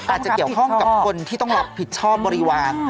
อาจจะเกี่ยวข้องกับคนที่ต้องรับผิดชอบบริวาร